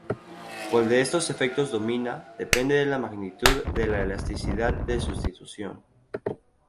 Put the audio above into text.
Cuál de estos efectos domina depende de la magnitud de la elasticidad de sustitución.